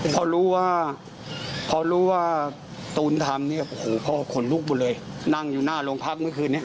พอรู้ว่าตูนทำเนี่ยพ่อขนลูกหมดเลยนั่งอยู่หน้าโรงพรรคเมื่อคืนเนี่ย